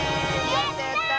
えやった！